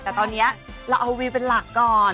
แต่ตอนนี้เราเอาวิวเป็นหลักก่อน